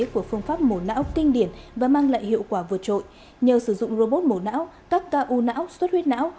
của phương pháp mổ não kinh điển và mang lại hiệu quả vượt trội nhờ sử dụng robot mổ não các ca u não suất huyết não